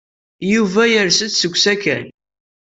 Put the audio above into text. Yuba yers-d seg usakal.